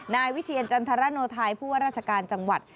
นายวิเชียรจันทรโนไทยผู้ว่าราชการจังหวัด